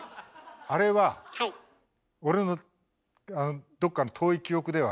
あれは俺のどっかの遠い記憶では。